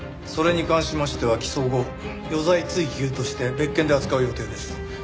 それに関しましては起訴後余罪追及として別件で扱う予定です。